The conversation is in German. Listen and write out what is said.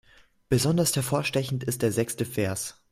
Besonders hervorstechend ist der sechste Vers.